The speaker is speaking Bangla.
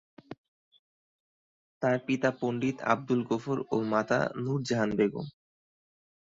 তাঁর পিতা পণ্ডিত আবদুল গফুর ও মাতা নূর জাহান বেগম।